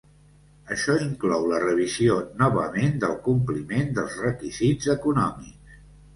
Això inclou la revisió novament del compliment dels requisits econòmics.